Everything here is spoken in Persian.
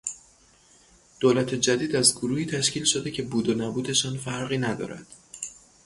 دولت جدید از گروهی تشکیل شده که بود و نبودشان فرقی ندارد.